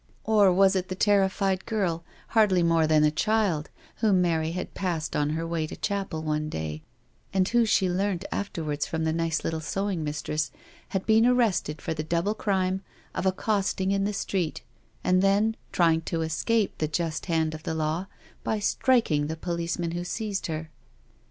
Or was it the terrified girl, hardly more than a child, whom Mary had passed on her way to chapel one day, and who she learnt afterwards from the nice little sewing mistress had been arrested for the double crime of accosting in the street, and then trying to escape the just hand of the law by striking the policeman who seized her?